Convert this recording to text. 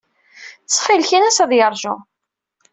Ttxil-k, ini-as ad yeṛju.